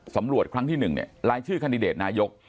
สำรวจครั้งที่๑รายชื่อคันดิเดตนายก